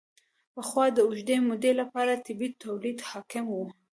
پخوا د اوږدې مودې لپاره طبیعي تولید حاکم و.